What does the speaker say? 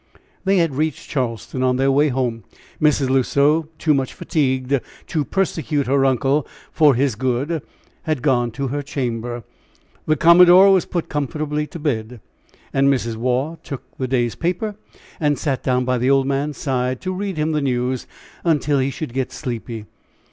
They had reached Charleston, on their way home. Mrs. L'Oiseau, too much fatigued to persecute her uncle for his good, had gone to her chamber. The commodore was put comfortably to bed. And Mrs. Waugh took the day's paper, and sat down by the old man's side, to read him the news until he should get sleepy.